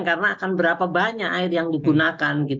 karena akan berapa banyak air yang digunakan